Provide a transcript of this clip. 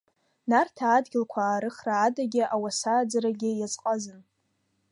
Нарҭаа адгьыл қәаарыхра адагьы, ауасааӡарагьы иазҟазан.